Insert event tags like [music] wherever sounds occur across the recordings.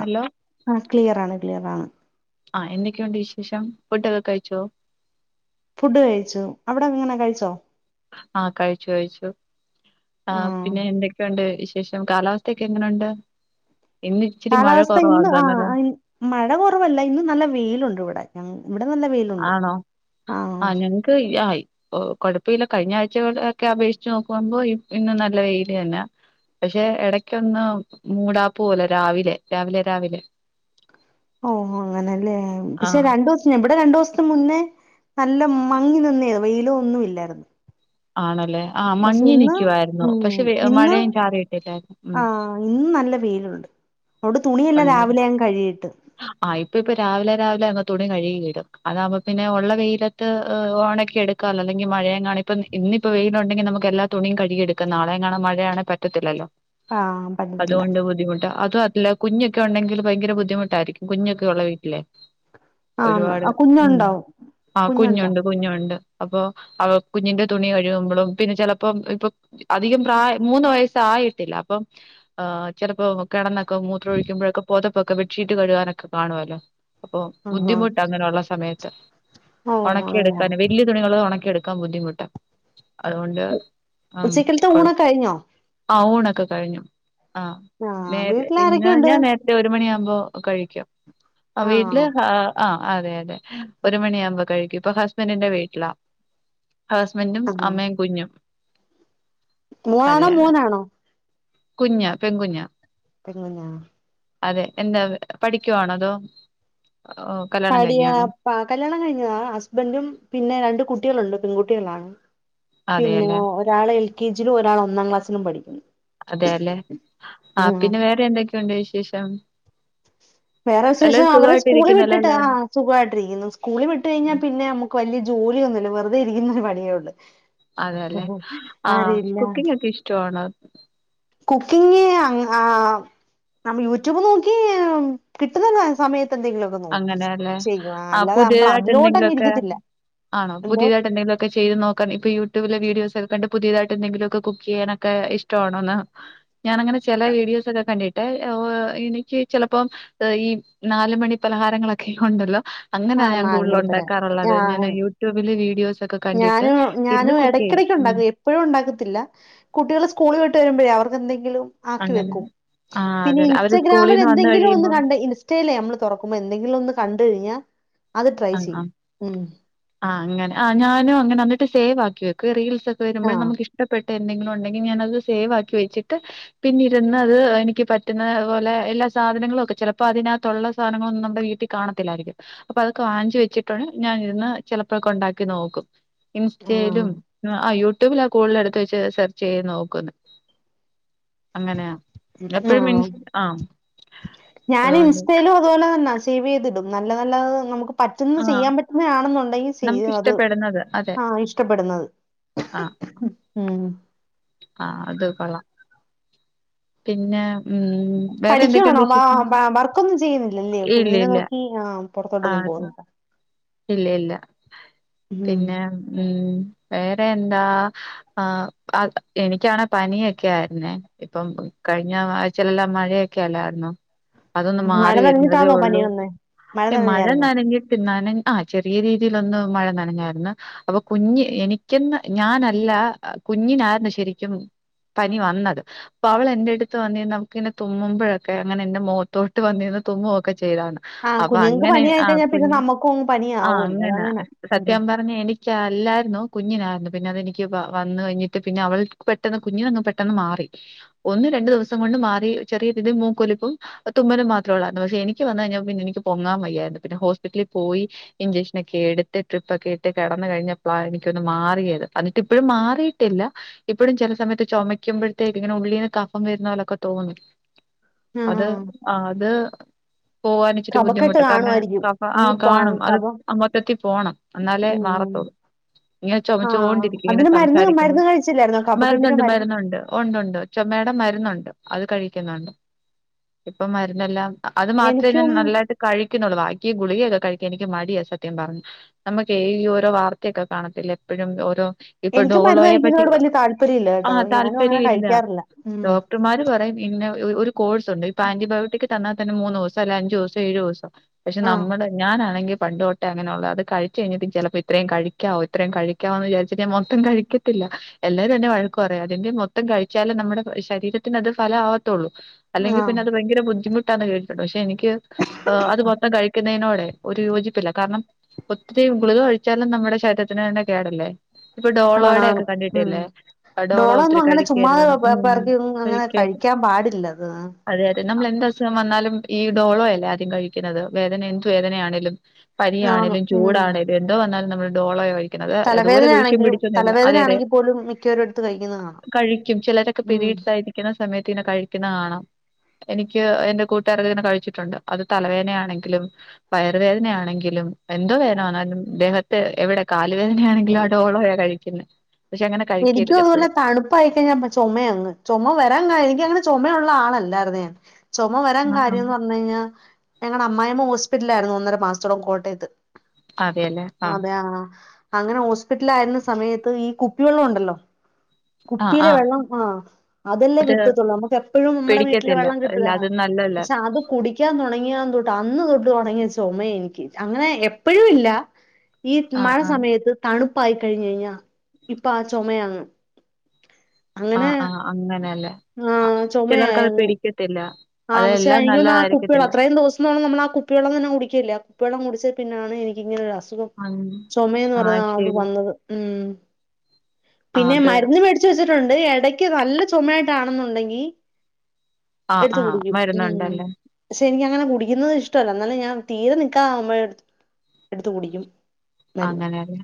ആ അ ക്ലിയർ ആണ് ക്ലിയറാണ്. ആ എന്തൊക്കെയുണ്ട് വിശേഷം ഫുടൊക്കെ കഴിച്ചോ ഫുഡ് കഴിച്ചു അവിട എങ്ങനെ കഴിച്ചോ ആഹ കഴിച്ചു കഴിച്ചു ആ പിന്നെ എന്തൊക്കെയുണ്ട് വി വിശേഷം കാലാവസ്ഥ ഒക്കെ എങ്ങനുണ്ട് ഇന്ന് ഇച്ചിരി മഴ കാലാവസ്ഥ ഇന്ന് കുറവാന്ന് തോന്നല്ലേ ആ മഴ കുറവല്ല ഇന്ന് നല്ല വെയിലുണ്ട് ഇവിടെ ഞ ഇവിടെ നല്ല വെയിലുണ്ട് ആണോ ആ ഞങ്ങക്ക് ആയി ഓ കൊഴപ്പല്ല കഴിഞ്ഞ ആഴ്ചക ഒക്കെ അപേക്ഷിച്ച് നോക്കുമ്പോ ഇന്നും നല്ല വെയിയില് തന്നെ പക്ഷെ ഇടക്കൊന്ന് മൂടാപ്പ് പോലെ രാവിലെ രാവിലെ രാവിലെ ഓ അങ്ങനെല്ലേ ആ പക്ഷെ രണ്ടുസം ഇവിടെ രണ്ടുസം മുന്നേ നല്ല മങ്ങിനിന്നേരുന്നു വെയിലോ ഒന്നും ഇല്ലായിരുന്നു ആണ ലെ ആഹ് പക്ഷെ മഞ്ഞഞ് ഇന്ന് നിൽിക്കുവായിരുന്നു ഉം പക്ഷെ ഇന്ന് മഴയും ചാറിയിട്ടില്ലായിരുന്നു ഉ അവിട് തുണിയല്ല രാവിലെ ഞാൻ കഴികിയിട്ട് ആഹ് ഇപ്പ ഇപ്പ രാവിലെ രാവിലെ അങ്ങ് തുണി കഴുകിടും അതാവുമ്പം പിന്നെ ഉള്ള വെയിലത്ത് ഓ എടുകാലോ മഴയങ്ങാനിപ്പം ഇപ്പം ഇന്നിപ്പം വെയിലുണ്ടെങ്കിൽനമുക്ക് എല്ലാ തുണിയും കഴുകെടുക്കാം നളെഎങ്ങാനും മഴയാണേൽ പറ്റതില്ലല്ലോ ആ പറ്റത്തില്ല അതുകൊണ്ട് ബുദ്ധിമുട്ട അത്ല്ല കുഞ്ഞൊക്കെ ഉണ്ടെങ്കിൽ ഭയങ്കര ബുദ്ധിമുട്ടായിരിക്കും കുഞ്ഞൊക്കെ ഉള്ള വീട്ടിലെ ആന്ന് ഒരുപാട് ആ ഉം കുഞ്ഞുണ്ടോ ആ കുഞ്ഞുണ്ടോ കുഞ്ഞുണ്ട് കുഞ്ഞുണ്ട് അപ്പൊ കുഞ്ഞിന്റെ തുണി ഒഴുകുമ്പോഴും പിന്നെ ചെിലപ്പോം ഇപ്പൊ അധികം പ്രായം മൂന്ന് വയസ് ആായിട്ടില്ല അപ്പം ചെലപ്പോ കിടന്നൊക്കെ മൂത്രം ഒഴിക്കുമ്പോഴൊക്കെ പൊതപ്പൊക്കെ ചീട്ട് കഴുകാനൊക്കെ കാണുവല്ലോ അപ്പൊ ആ ആ ബുദ്ധിമുട്ട് അങ്ങനെള്ള സമയത്ത് ഓ അങ്ങനെയ ഒണക്കിയെടുക്കാന് വല്യ തുണികള് ഒണക്കി ക്കാ ബുദ്ധിമുട്ട അതുകൊണ്ട് ഉച്ചക്കലത്തെ ഊണൊക്കെ കഴിഞ്ഞോ ക്കെ കഴിഞ്ഞു ആ നേ ആഹ് ഇന്ന് വീട്ടിലാരൊക്കെയുണ്ട് ഞാൻ നേരത്തെ ഒരു മണിയാകുമ്പോ കഴിക്കും ആ വീട്ടില് ആഹ് ഹാ ആഹ് അതെ അതെ ഒരു മണിയാകുമ്പം കഴിക്കും ഇപ്പൊ ഹസ്ബൻന്റിന്റെ വീട്ടിലാ ഹസ്ബൻന്റും അമ്മയും കുഞ്ഞും മൂവാണോ മൂന്നാണോ കുഞ്ഞ പെൺകുഞ്ഞ പെൺകുഞ്ഞാ അതെ എന്താ പഠിക്കുവാണോ അതോ ഓ, കല്യാണം പഠി കഴിഞ്ഞാണോ ആ കല്യാണം കഴിഞ്ഞതാ ഹസ്ബന്റും പിന്നെ രണ്ട് കുട്ടികളുണ്ട് പെൺകു ട്ടികളാണ് പിന്നെ അതെയല്ലേ ഒരാള് എൽ കെ ജി ലും ഒരാള് ഒന്നാം ക്ലാസ്സിലും പഠിക്കുന്നു അതെല്ലേ ആ ആഹ് പിന്നെ വേറെ എന്തൊക്കെയുണ്ട് വിശേഷം? വേറെ വിശേഷം എല്ലാരും അവരെ സുഖമായിട്ട് സ്കൂളിൽ ഇരിക്കുന്നല്ലോ വിട്ടിട്ട് അല്ലേ ആ സുഖായിട്ടിരിക്കുന്നു സ്കൂളിൽ വിട്ട് കഴിഞ്ഞാ പിന്നെ നമ്മുക്ക് വല്യ ജോലിയൊന്നുല്ല വെറുതെ ഇരിക്കുന്ന ഒരു പണിയേ ഒള്ളു അതെല്ലെ ആഹ് കുക്കിംങ് ഒക്കെ ഇഷ്ട്ടവാണോ കുക്കിംഗ് അങ്ങ് ആ നമ്മ യൂട്യൂബ് നോക്കി കിട്ടുന്ന സമയ അങ്ങനെയല്ലേ ആ നമ്മൾ പുതിയതായിട്ട് അതിലോട്ടങ്ങ് എന്തെങ്കിലൊക്കെ ഇരിക്കത്തില്ല ആണോ എന്തോ പുതിയതായിട്ട് എന്തെങ്കിലൊക്ക ചെയ്ത് നോക്കാ ഇപ്പ യൂടൂബിലെ വീഡിയോസ് ഒക്കെ കണ്ട് പുതിയതായിട്ട് എന്തെങ്കിലൊക്കെ കുക്ക് ചെയ്യാനൊക്കെ ഇഷ്ടവാണോന്ന് ഞാനങ്ങനെ ചെല വീഡിയോസ് ഒക്കെ കണ്ടിട്ട് ഓഹ് എനിക്ക് ചെലപ്പം ഈ നാലുമണി പലഹാരങ്ങളൊക്കെ ഒണ്ടല്ലോ അങ്ങനാ ആഹ് ഞാൻ നാല് കൂടുതലും മണിപ്പരെ ഉണ്ടാക്കാറുള്ളത് ഞാൻ ആഹ് യൂട്യൂബില് വീഡിയോസ് ഒക്കെ കണ്ടിട്ട് ഇരുന്ന് കുക്കി എടക്കിടക്ക് ഉണ്ടാക്കും എപ്പഴും ഉണ്ടാക്കത്തില്ല കുട്ടികള് സ്കൂള് വിട്ട് വരുമ്പഴേ അവർക്ക് എന്തെങ്കിലും ആക്കി അങ്ങനെ വെക്കും ആ പിന്നെ അതെ അവര് സ്കൂളിൽ ഇൻസ്റ്റാഗ്രാമിൽ നിന്ന് വന്ന് എന്തെങ്കിലും ഒന്ന് കഴിയുമ്പം കണ്ട ഇൻസ്റ്റയിലേ നമ്മള് തുറക്കുമ്പോ എന്തെങ്കിലും ഒന്ന് കണ്ട് കഴിഞ്ഞാൽ അത് ട്രൈ ആഹ് ചെയ്യും ആഹ് ഉം ആ അങ്ങനെ ആ ഞാനും അങ്ങനാ ന്നിട്ട് സേവ് ആക്കി വെക്കുവെ റീൽസ് സൊക്കെ വരുമ്പോ ആഹ് നമുക്ക് ഇഷ്ടപ്പെ ട്ട എന്തെങ്കിലും ഉണ്ടെങ്കി ഞാനത് സേവ് ആക്കി വെച്ചിട്ട് പിന്നീടിരുന്ന് അത് എനിക്ക് പറ്റുന്നപോലെ എല്ലാം സാധനങ്ങളൊക്കെ ചെലപ്പോ അതിനകത്തുള്ള സാധനങ്ങളൊന്നും നമ്മുടെ വീട്ടിൽ കാണത്തില്ലായിരിക്കും അപ്പൊ വാഞ്ചി വെച്ചിട്ട ഞാൻ ഇരുന്ന് ചെലപ്പോഴൊക്കെ ഉണ്ടാക്കി നോക്കും ആഹ് ഇൻസ്റ്റയിലും ആ യൂട യുട്യൂബില ആ കൂടുതൽ എടുത്ത് വെച്ച് സെർച്ച് ചെയ്ത് നോക്കുന്ന ആഹ ആഹ് ഞാൻ അതുകൊണ്ട് ഇൻസ്റ്റയിലും അതുപോലെ തന്നെ സേവ് ചെയ്തിടും നല്ല നല്ല നമുക്ക് പറ്റുന്ന ആഹ് ചെയ്യാൻ പറ്റുന്നതണെന്നുണ്ടെങ്കിൽ നമുക്ക് ചെയ്യും അത് ഇഷ്ടപ്പെടുന്നത് അതെ ആ ഇഷ്ടപ്പെടുന്നത് ഉം ആ അത് കൊള്ളാം പിന്നെ ഉം വേറെ പഠിക്ക്വാണോ എന്തൊക്കെയുണ്ട് വിശേഷം വർക്കൊന്നും ചെയ്യുന്നില്ലല്ലേ ഇല്ല കുഞ്ഞിനെ ഇല്ല നോക്കി ആ ആ പുറത്തോട്ടൊന്നും അതെ പോകുന്നില്ല ഇല്ല ഇല്ല ഉം പിന്നെ ഉം വേറെ എന്താ എനിക്കണേ പനിയൊക്കെ ആയിരുന്നേ ഇപ്പം കഴിഞ്ഞ ആഴ്ചഴിലെല്ലാം മഴയൊക്കെ അല്ലായിരുന്നു അതൊന്ന് മഴ മാറി വരുന്നതേ നനഞ്ഞിട്ടാണോ പനി ഉള്ളൂ വന്നേ മഴ നനഞ്ഞായിരുന്നോ നനഞ്ഞിട്ട് നനഞ്ഞി ചെറിയ രീതിയിലൊന്നു മഴ നനഞായിരുന്നു അപ്പൊ കുഞ് എനിക്ക ഞാനല്ല കുഞ്ഞി ആരുന്നു ശെരിക്കും പനി വന്നത് അപ്പൊ അവൾ എന്റെ അടുത്ത് വന്നി നമുക്ക് ഇങ്ങനെ തുമ്മുമ്പോഴൊക്കെ അങ്ങനെ എന്റെ മുഖത്തോട്ട് വന്നി തുമ്മൊക്കെ ചെയ്താണ് ആഹ് അപ്പൊ കുഞ്ഞുങ്ങൾക്ക് അങ്ങനെ പനിയായി ആ കഴിഞ്ഞാൽ പിന്നെ കുഞ്ഞു നമ്മുക്കും പനി ആഹ ആവുമല്ലോ അങ്ങനാ അതങ്ങനാ ഉം സത്യം പറഞ്ഞ എനിക്ക അല്ല രുന്നു കുഞ്ഞിനായിരുന്നു പിന്നെതെനിക്ക് വന്ന കഴിഞ്ഞിട്ട് പിന്നെ അവൾക്ക് പെട്ടെന്ന് കുഞ്ഞിനങ്ങ് പെട്ടെന്ന് മാറി ഒന്നും രണ്ടു ദിവസം കൊണ്ട് മാറി ചെറിയ രീതിൽ മൂക്കൊലിപ്പും തുമ്മലും മാത്രേ ഉള്ളായിരുന്നു പക്ഷെ എനിക്ക് വന്നു കഴിഞ്ഞാൽ പിന്ന എനിക്ക് പൊങ്ങാൻ വയായിരുന്നു പിന്നെ ഹോസ്പിറ്റലിൽ പോയി ഇഞ്ചെക്ഷന ഒക്കെ എടുത്ത് ട്രിപ്പ് ഒക്കെ ഇട്ട് കിടന്നു കഴിഞ്ഞപ്പോളാണ് എനിക്കൊന്ന് മാറിയത് എന്നിട്ട് ഇപ്പോഴും മാറി ട്ടില്ല ഇപ്പോഴും ചില സമയത്ത് ചുമക്കുമ്പോഴത്തേക്ക് ഇങ്ങനെ ഉള്ളീന്ന് കഫം വരുന്ന പോലൊക്കെ തോന്നും ആഹ് അത് ആ അത് പോകൻ ഇച്ചിരി കഫക്കെട്ട് ബുദ്ധിമുട്ട് കാരണം കാണുമായിരിക്കും കഫം ആ അത് പാ കാണും അത് കഫം അമ്പത്തെത്തി പോണം എന്നാലേ ഉം മാറത്തോള്ളൂ ഇങ്ങനെ ആഹ് ചുമച്ചോണ്ടിരിക്ക ഇങ്ങനെ അതിന് മരുന്ന് സംസാരിക്കുമ്പോ മരുന്ന് കഴിച്ചില്ലായിരുന്നോ കഫക്കെട്ടിന് മരുന്നുണ്ട് മരുന്ന് മരുന്നുണ്ട് ഉണ്ടണ്ട് മ്മേടെ മരുന്നുണ്ട് അത് കഴിക്കുന്നുണ്ട് ഇപ്പൊ മരുന്നെല്ലാം അത് മാത്രമേ ഞാൻ എനിക്കും നല്ലായിട്ട് കഴിക്കുന്നുള്ളു ബാക്കിയ ഗുളികൊക്കെ എനിക്ക് മടിയാണ് സത്യം പറഞ്ഞ നമുക്ക് ഈ ഓരോ വാർത്തയൊക്കെ കാണത്തില്ലെ എപ്പോഴും ഓരോ ഇപ്പൊ എനിക്കും മരുന്ന് ഡോളോയെ പറ്റി കഴിക്കുന്നതിനോട് വലിയ താല്പര്യം ഇല്ല ആ കേട്ടോ ഞാനും അങ്ങനെ താല്പര്യമില്ല കഴിക്കാറില്ല ഉം ഡോക്ടർമാര് പറയ പിന്നെ ഒരു കോഴ്സ് ഉണ്ട് ഇപ്പ ആന്റിബയോട്ടിക്ക് തന്നാൽ തന്നെ മൂന്ന് ദിവസം അല്ല അഞ്ചു ദിവസം ഏഴു ദിവസോ പക്ഷെ ആഹ് നമ്മള് ഞാനാ ങ്കിൽ പണ്ട്തൊട്ടെ അങ്ങനെയുള്ളത് അത് കഴിച്ച കഴിഞ്ഞിട്ട് ചിലപ്പോ ഇത്രയും കഴിക്കാവോ ഇത്രയും കഴിക്കാവോ ന്ന് വിചാരിച്ചിട്ട് മൊത്തം കഴിക്കു എല്ലരും എന്നെ വഴക്ക് പറയും അതിന്റെ മൊത്തം കഴിച്ചാലെ നമ്മുടെ ശരീരത്തിന്അതു ഫല ത്തള്ളു അല്ലെങ്കിൽ ആഹ് പിന്നെ അത് ഭയങ്കര ബുദ്ധിമുട്ടാന്ന് കേട്ടിട്ടുണ്ട് പക്ഷെ എനിക്ക് അത് മൊത്തം കഴിക്കുന്നതിനോടെ ഒരു യോജിപ്പില്ല കാരണം ഒത്തിരി ഗുളിക കഴിച്ചാലും നമ്മുടെ ശരീരത്തിന് തന്നെ കേടല്ലേ ഇപ്പൊ ഡോളോയുടെ ആണാണ് ഒക്കെ ഉം കണ്ടിട്ടല്ലേ ഡോളോ ഒത്തിരി ഡോളൊന്നും അങ്ങനെ കഴിക്കരുതു ചുമ്മാതെ ഉം പെറക്കി ഒന്നും അങ്ങനെ കഴിക്കര്ത് കഴിക്കാൻ പാടില്ലത് അതെ അതെ നമ്മൾ എ അസുഖം വന്നാലും ഈ ഡോളോ അല്ലേ ആദ്യം കഴിക്കും ക്കന്നത് വേദന എന്ത് വേദനയാണെലും ആന്ന് ഉം പനിയാണേലുംചൂടാണേലും എന്തോ വന്നാലും നമ്മള് ഡോളയ കഴി അതുപോലെ തലവേദന ദൂഷ്യം ആണെങ്കിലും പിടിച്ചൊന്നില്ല തലവേദന അതെ അതെ ആണെങ്കിൽ പോലും മിക്കവരും എടുത്ത് കഴിക്കുന്നത് കാണാം കഴിക്കും ചിലരൊക്കെ പെരി ഉം ട്സായിരിക്കുന്ന സമയത്ത് കഴിക്കുന്ന കാണാം എനിക്ക് എന്റെ കൂട്ടുകാര ഇങ്ങനെ കഴിച്ചിട്ടുണ്ട് അത് തലവേദനയാണെങ്കിലും വയ വേദനയാണെങ്കിലും എന്തോ വേദന വന്നാലും ദേഹത്ത് എവിടെ കാല് വേദനയാണെങ്കിലും ആ ടെളോയാ കഴിക്കുന്നത് എനിക്കും അതുപോലെ തണുപ്പായി കഴിഞ്ഞാ ചുമ അങ് ചുമ വരാൻ എനിക്കങ്ങനെ ചുമയുള്ള ആളല്ലാഴിരുന്ന് ഞാൻ ചുമ വരാൻ ആ ആ കാര്യന്ന് പറഞ്ഞു കഴിഞ്ഞാൽ ഞങ്ങളുടെ അമ്മായിമ്മ ഹോസ്പിറ്റല ആയിരുന്നു ഒന്നര മാസത്തോളം കോട്ടയത്ത് അതെല്ലേ ആ അതെ അങ്ങനെ ഹോസ്പിറ്റലിൽ ആയിരുന്ന സമയത്ത് ഈ കുപ്പിവെള്ളം ഉണ്ടല്ലോ ആ കുപ്പിയിലെ ആ വെള്ളം ആഹ് അതല്ലേ അത് കിട്ടത്തുള്ളൂ നമുക്ക് എപ്പോഴും നമ്മടെ വീട്ടിലെ പിടിക്കത്തില്ല വെള്ളം ഇല്ല അത് കിട്ടുകാണോ നല്ലല്ല പക്ഷെ അത് കുടിക്കാൻ തുടങ്ങിയാതെന്ന് തൊട്ട് അന്ന് തൊട്ട് തുടങ്ങിയ ചുമ എനിക്ക് അങ്ങനെ എപ്പഴും ഇല്ല ഈ ആഹ് മഴ ആഹ് സമയത്ത് തണുപ്പായിക്കഴിഞ്ഞു കഴിഞ്ഞാ ഇപ്പാ ആ ചുമയാണ് അങ്ങനെ ആഹ് ആഹ് അങ്ങനെയല്ലേ ആഹ് ചിലർക്കത് ചുമയായങ്ങ് പിടിക്കത്തില്ല ആ പക്ഷെ അതെല്ലാം എനിക്കു തോന്നുന്നു ആ കുപ്പിവെള്ളം നല്ലതായിരിക്കത്തില്ല അത്രയും ദിവസ നമ്മള് ആ കുപ്പിവെള്ളം തന്നെ കുടിക്കില്ലേ ആ കുപ്പിവെള്ളം കുടിച്ച പിന്നാണ് എനിക്കിങ്ങനെ ഒരു അസുഖം ഉം ചുമന്ന് പറഞ്ഞ ആഹ് അത് ശരി വന്നത് ഉ ആ, പിന്നെ അത് മരുന്ന് മേടിച്ച് വെച്ചിട്ടുണ്ട് ഇടക്ക് നല്ല ചുമയായിട്ടാണെന്നുണ്ടെങ്കി ആഹ് എടുത്ത് ആഹ് കുടിക്കും ഉ മരുന്നുണ്ടല്ലേ പക്ഷെ എനിക്കങ്ങനെ കുടിക്കുന്നത് ഇ ഷ്ടല്ല എന്നാല് ഞാൻ തീരെ നിക്കാനാവുമ്പോ എടുത്ത് കുടിക്കും മരുന്ന് അങ്ങനെയല്ലേ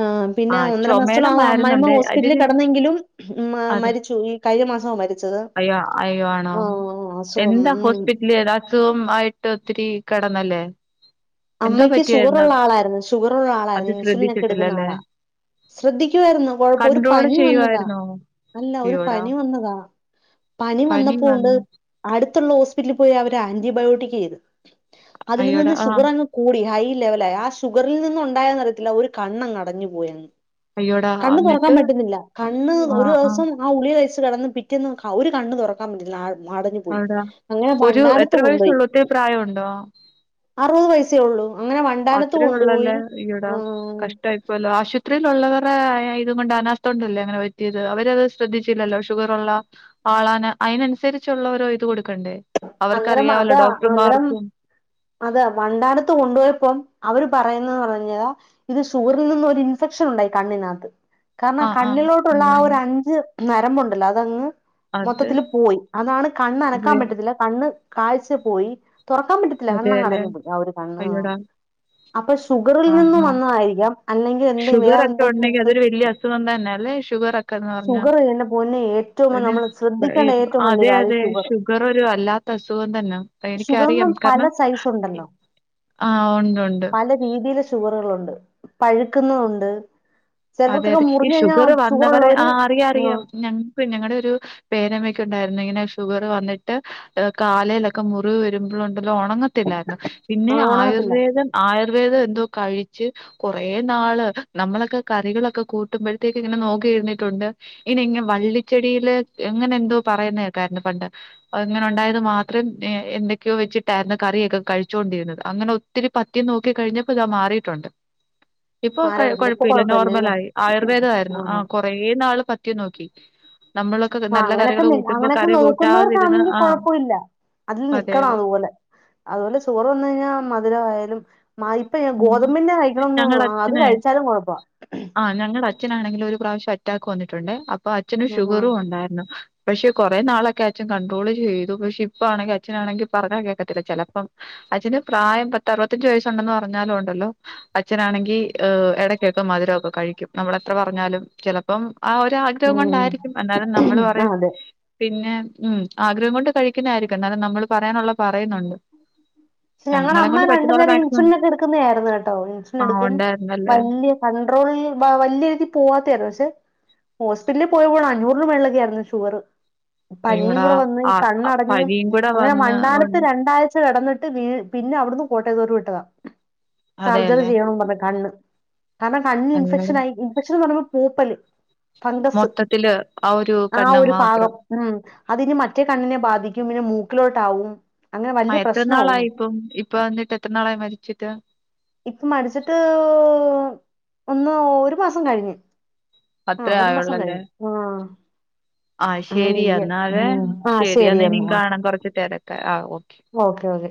ആ പിന്നെ ആഹ് ഒന്നര മാസത്തോളം ചുമയുടെ ആ അമ്മായിയമ്മ മരുന്നുണ്ട് ഹോസ്പിറ്റലിൽ അതിന് കിടന്നെങ്കിലും ഉം അതെ മരിച്ചു ഈ കഴിഞ്ഞ മാസ മരിച്ചത് അയ്യോ അയ്യോ ആണോ ആഹ് എന്താ ഹോസ്പിറ്റലുകാര് അസുഖം ആയിട്ട് ഒത്തിരി കിടന്നല്ലേ എന്തോ അമ്മയ്ക്ക് പറ്റിയായിരുന്നു ഷുഗറുള്ള ആളായിരുന്നു ഷുഗറുള്ള അത് ആളായിരുന്നു ഇൻസുലിൻ ഒക്കെ എടുക്കുന്ന ശ്രദ്ധിച്ചിട്ടില്ലല്ലേ ആളാ ശ്രദ്ധിക്കുവായിരുന്നു കൊഴപ്പം ഒരു കൺട്രോള് പനി വന്നതാ ചെയ്യുവായിരുന്നോ അല്ല ഒരു അയ്യോടാ പനി വന്നതാ പനി വന്നപ്പോണ്ട് അടുത്തുള്ള പോയി അവര് ആന്റിബയോട്ടിക് ചെയ്ത് അതിൽ അയ്യോടാ നിന്ന് ആഹ് ഷുഗർ അങ്ങ് ടി ഹൈ ലെവലായി ആ ഷുഗറിൽ നിന്ന് ഉണ്ടായെന്നു അറിയത്തില്ല ഒരു കണ്ണങ്ങ് അടഞ്ഞു പോയി അയ്യോടാ കണ്ണ് തുറക്കാൻ എന്നിട്ട് പറ്റുന്നില്ല കണ്ണ് ഒരു ആഹ് ആഹ് ദിവസം ആ ഗുളിക കഴിച്ചു കിടന്ന് പിറ്റന്ന ഒരു കണ്ണ് തുറക്കാൻ പറ്റില്ല ആ അടഞ്ഞു പോയി അവിടാ അങ്ങനെ ഒരു വണ്ടാനത്ത് എത്ര കൊണ്ട് പോയി വയസ്സുള്ളൂ ഒത്തിരി പ്രായമുണ്ടോ അറുപത് വയസ്സ് അത്രേ ഉള്ളല്ലേ അയ്യോടാ ഉം കഷ്ടമായിപ്പോല്ലോ ആശുപത്രിൽ ഉള്ളത അത്ര ഇത് കൊണ്ട് അനാസ്ഥ ഉണ്ടല്ലേ അങ്ങനെ പറ്റിയത് അവരത് ശ്രദ്ധിച്ചില്ലല്ലോ ഷുഗറുള്ള ആളാണ് അതിനനുസരിച്ചുള്ളരോ ഇത് കൊടുക്ക അന്നേരം അതാ അന്നേരം ഡോക്ടർമാർക്കും അതാ വണ്ടാനത്ത് കൊണ്ടുപോയപ്പം അവര് പറയുന്നതന്ന് പറഞ്ഞ് കഴിഞ്ഞാ ഇത് ഷുഗറിൽ നിന്നൊരു ഇൻഫെക്ഷൻ ഉണ്ടായി കണ്ണിനകത്ത് ആ കാരണം ആ കണ്ണിലോട്ടുള്ള ആ അങ്ങനെ ഒരു അഞ്ച് നരമ്പുണ്ടല്ലോ അതങ്ങ് അത് മൊത്തത്തിൽ പോയി അതാണ് ഇത് കണ്ണനക്കാൻ പറ്റത്തില്ല കണ്ണ് കാഴ്ച പോയി തൊറക്കാൻ പറ്റത്തില്ല കണ്ണങ്ങ് അതെല്ലേ അടഞ്ഞു പോയി ആ ഒരു കണ്ണ് അയ്യോടാ അപ്പൊ ഷുഗറിൽ ആ നിന്നും ആ വന്നതായിരിക്കാം അല്ലെങ്കിൽ എന്തെ വേറെ ഷുഗറൊക്കെ എന്തെങ്കി ഉണ്ടെങ്കി [unintelligible] ന്ന് പറഞ്ഞ ഏറ്റവും നമ്മൾ [unintelligible] ശ്രദ്ധിക്കേണ്ട ഏറ്റവും വലിയ അതെ കാര്യം അതെ ഷുഗർ ഒരു വല്ലാ ത്തസുഖം തന്ന പ്പ ഷുഗറിന് എനിക്കറിയാം പല കാരണം സൈസ് ഉണ്ടല്ലോ ആഹ് ഒണ്ടൊണ്ട് ഷുഗറുകൾ ഒണ്ട് പഴുക്കുന്നത് ഒണ്ട് അതെ ചിലർക്കൊക്കെ അതെ. ഈ മുറിഞ്ഞു കഴിഞ്ഞാ ഷുഗറ് ഷുഗർ വന്നവരെ ഉള്ളവർ ആ അറിയാം അറിയാം ഞങ്ങക്ക് ഞങ്ങടെ ഒരു പേരമ്മയ്ക്ക് ഉണ്ടായിരുന്നു ഇങ്ങനെ ഷുഗർ വന്നിട്ട് കാലെലൊക്കെ മുറിവ് വരുമ്പളൊ ഒണങ്ങത്തില്ലായിരുന്നു ആ പിന്നെ ഉണങ്ങത്തില്ല ആയുർവേദം ആയു ർവേദം എന്തോ കഴിച്ച് കുറെ നാള് നമ്മളൊക്കെ കറികളൊക്കെ കൂട്ടുമ്പോഴത്തേക്ക് ഇങ്ങനെ നോക്കിയിരുന്നിട്ടുണ്ട് ഇനി ഇങ്ങ വള്ളിച്ചെടിയില് അങ്ങനെന്തോ പറയുന്നത് കേക്കായിരുന്നു പണ്ട് അ ഇങ്ങനെ ഉണ്ടായത് മാത്രം എന്തൊക്കെയോ വെച്ചിട്ടായിരുന്നു കറിയൊക്കെ കഴിച്ചോ ണ്ടിരുന്നത് അങ്ങനെ ഒത്തിരി പത്യം നോക്കി കഴിഞ്ഞപ്പോ ദാ മാറിട്ടുണ്ട് ഇപ്പൊക്കെ മാറിയിട്ടുണ്ട് ഇപ്പൊ കൊഴപ്പമില്ല നോർമല് കൊഴപ്പമില്ലല്ലേ ആയി ആയുർവേദ ആയിരുന്നു ആ കൊറേനാള് പത്യം നോക്കി നമ്മളൊക്കെ ആ നല്ല അങ്ങനെയൊക്കെ കറികള് കൂട്ടുമ്പോ അങ്ങനെയൊക്കെ കറി കൂട്ടാതിരുന്ന് നോക്കുന്നവർക്കാന്നെങ്കി ആ കൊഴപ്പവില്ല അതിൽ അതെ നിക്കണം അതെ. അതുപോലെ അതുപോലെ ചോറ് തിന്നു കഴിഞ്ഞാ മധുരം ആയാലും ഇപ്പൊ ഉ ഗോതമ്പിന്റെ കഴിക്കണംന്ന് ഞങ്ങടെ അത് അച്ഛനെ കഴിച്ചാലും കുഴപ്പാ ആ ഞങ്ങടഛ ച്ഛനാണെങ്കില് ഒരു പ്രാവശ്യം അറ്റാക്ക് വന്നിട്ടുണ്ടെ അപ്പൊ അച്ഛനു ഷുഗറും ഒണ്ടായിരുന്നു പക്ഷെ കൊറെ നാളൊക്കെ അച്ഛൻ കണ്ടട്രോള് ചെയ്തു പക്ഷെ ഇപ്പോ ആണെങ്കി അച്ഛനാണെങ്കിൽ പറഞ്ഞാ കേക്കത്തില്ല ചെലപ്പം അഛന് പ്രായം പത്തറുപത്തഞ്ച് വയസുണ്ടെന്ന് പ റഞ്ഞാലു ഒണ്ടല്ലോ അച്ഛനാണെങ്കി എടക്കൊക്കെ മധുരൊക്കെ കഴിക്കും നമ്മളെത്ര പറഞ്ഞാലും ചെലപ്പം ആ ഒരാഗ്രഹം ഉം കൊണ്ടായിരിക്കും എന്നാലും നമ്മള് പറയും അതെ പിന്നെ ഇം ആഗ്രഹം കൊണ്ട് കഴിക്കുന്നായിരിക്കും എന്നാലും നമ്മള് പറയാനൊള്ള പറയുന്നുണ്ട് പക്ഷെ ഞങ്ങടെ ഞങ്ങളെ അമ്മ കൊണ്ട് രണ്ടു പറ്റുന്നോളം നേരം മാക്സിമം ഇൻസുലിനൊക്കെ എടു ക്കുന്നായിരുന്നു കേട്ടോ ഇൻസുലിൻ ആ എടുക്കും ഉണ്ടായിരുന്നല്ലേ വല്ല്യ കണ്ട്രോൾ വലിയ രീതിൽ പോവാത്താരുന്നു പക്ഷെ ഹോസ്പിറ്റലിൽ [unintelligible] അഞ്ഞൂറിന് മേളിലൊക്കെയായിരുന്നു ഷുഗറ് പനിയും അയ്യോടാ കുടെ വന്ന് ഈ ആ കണ്ണടഞ്ഞ് പനിയും കൂടെ അങ്ങനെ വന്ന് വണ്ടാനത്ത് കൊണ്ട് രണ്ടാഴ് ച്ച കെടന്നിട്ട് വീ പിന്നെ അവിടുന്ന് കോട്ടയത്തോട്ട് വിട്ടതാ സർജറി അതെല്ലേ ചെയ്യണംന്ന് പറഞ്ഞ് കണ്ണ് കാരണം കണ്ണിന് അയ്യോടാ ഇൻഫെക്ഷൻ ആയി ഇൻഫെക്ഷൻന്ന് പറയുമ്പോ പൂപ്പല് ഫംഗസ് മൊത്തത്തില് ആ ഒരു ആ കണ്ണ് ഒരു മാത്രം ഭാഗം ഇം അതിന് മറ്റേ കണ്ണിനെ ബാധിക്കും പിന്നെ മൂ ക്കിലോട്ടാവും അങ്ങനെ വല്യ പ്രശ് ത്രനാളായി ഇപ്പം ഇപ്പ എന്നിട്ട് എത്രനാളായി മരിച്ചിട്ട് ഇപ്പ മരിച്ചിട്ട് ഒന്ന് ഒരു മാസം കഴിഞ്ഞ് ആ ഒരു മാസം കഴിഞ്ഞ് ആഹ് ആഹ് ശെരി എന്നാലെ ആ ശരി എന്നാ ഇനി ശരിയെന്നാ കാണാം കൊറച്ച് തെരക്ക ഓക്കെ ഓക്കെ